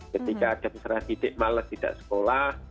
ketika ada peserta didik malah tidak sekolah